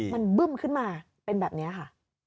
มันบึ้มขึ้นมาเป็นแบบนี้ค่ะ